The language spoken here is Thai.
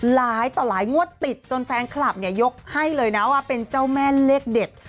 หลายต่อหลายงวดติดจนแฟนคลับเนี่ยยกให้เลยนะว่าเป็นเจ้าแม่เลขเด็ด